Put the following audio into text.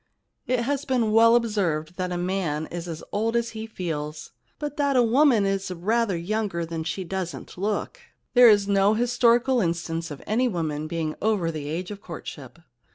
It has been well observed that a man is as old as he feels, but that a woman is rather younger than she doesn't look. There is no historical instance of any woman being over the age of courtship.'